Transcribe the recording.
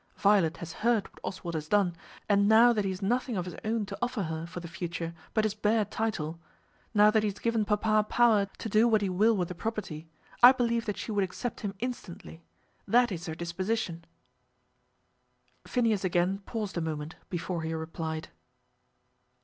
Violet has heard what Oswald has done; and now that he has nothing of his own to offer her for the future but his bare title, now that he has given papa power to do what he will with the property, I believe that she would accept him instantly. That is her disposition." Phineas again paused a moment before he replied.